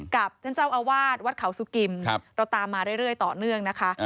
ท่านเจ้าอาวาสวัดเขาสุกิมเราตามมาเรื่อยต่อเนื่องนะคะ